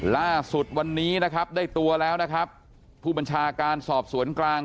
ล่าสุดวันนี้นะครับได้ตัวแล้วนะครับผู้บัญชาการสอบสวนกลาง